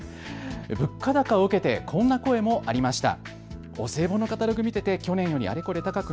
物価高を受けてこんな声もありました。